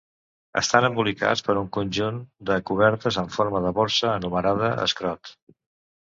Estan embolicats per un conjunt de cobertes amb forma de borsa, anomenada escrot.